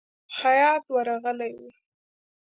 هیات ورغلی وو.